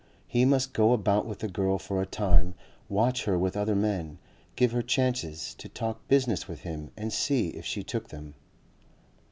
He must go about with the girl for a time, watch her with other men, give her chances to talk business with him and see if she took them.